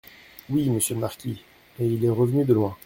Oui, monsieur le marquis, et il est revenu de loin.